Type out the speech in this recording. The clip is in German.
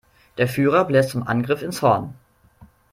Der Führer bläst zum Angriff ins Horn.